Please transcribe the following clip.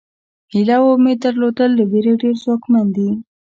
هیله او امید درلودل له وېرې ډېر ځواکمن دي.